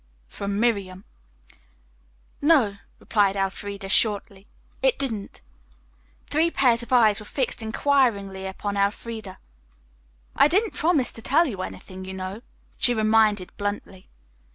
from Miriam. "No," replied Elfreda shortly, "it didn't." Three pairs of eyes were fixed inquiringly upon Elfreda. "I didn't promise to tell you anything, you know," she reminded bluntly.